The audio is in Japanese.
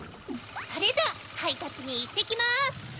それじゃはいたつにいってきます！